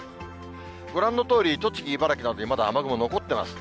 ご覧のとおり、栃木、茨城などにまだ雨雲残ってます。